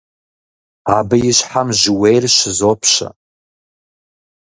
Абы и щхьэм жьыуейр щызопщэ.